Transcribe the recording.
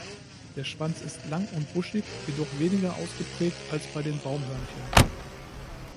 Der Schwanz ist lang und buschig, jedoch weniger ausgeprägt als bei den Baumhörnchen.